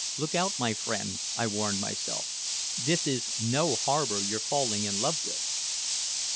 "Look out, my friend," I warned myself. "This is no harbor you're falling in love with."